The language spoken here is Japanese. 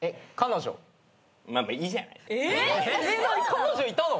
彼女いたの？